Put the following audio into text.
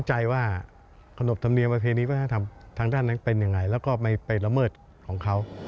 หรือพิษมีความรู้น้อยในเรื่องของ